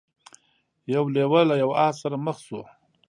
یو لیوه له یو آس سره مخ شو.